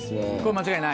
間違いない？